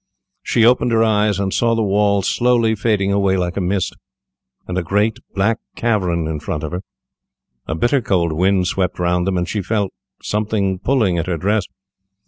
She opened her eyes, and saw the wall slowly fading away like a mist, and a great black cavern in front of her. A bitter cold wind swept round them, and she felt something pulling at her dress.